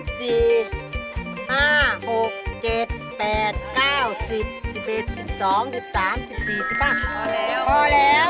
พอแล้วพอแล้ว